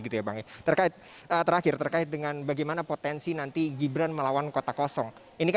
terakhir terkait dengan bagaimana potensi nanti gibran melawan kota kosong